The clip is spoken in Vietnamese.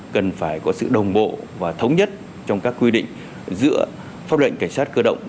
cần phải có sự đồng bộ và thống nhất trong các quy định giữa pháp lệnh cảnh sát cơ động